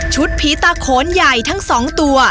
ชุดผีตาโคนใหญ่ทั้งสองตัว